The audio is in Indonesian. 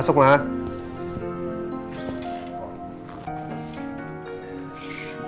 tidak ada apa apa